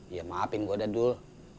ya maapin gua dah dul